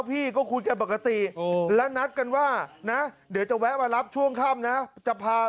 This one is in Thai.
พี่ก็คุยกันปกติและนัดกันว่านะเดี๋ยวจะแวะมารับช่วงค่ำนะจะพา